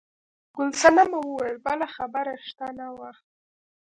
ګل صنمه وویل بله خبره شته نه وه.